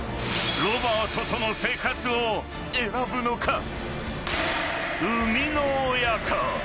［ロバートとの生活を選ぶのか？］